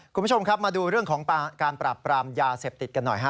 คุณผู้ชมครับมาดูเรื่องของการปราบปรามยาเสพติดกันหน่อยฮะ